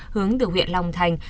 hướng từ huyện long thành